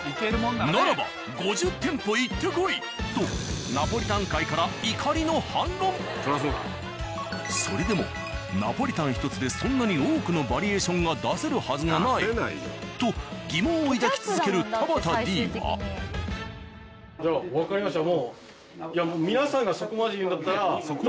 ならば５０店舗行ってこい！とナポリタン会からそれでもナポリタン１つでそんなに多くのバリエーションが出せるはずがないと疑問を抱き続ける田端Ｄは。じゃわかりました。